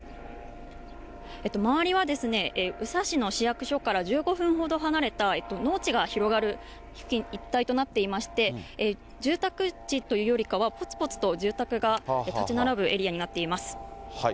鹿島さん、後ろには住宅地も見えますが、周りはどういう所な周りはですね、宇佐市の市役所から１５分ほど離れた、農地が広がる一帯となっていまして、住宅地というよりかは、ぽつぽつと住宅が建ち並ぶエリアになっています。